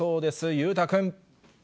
裕太君。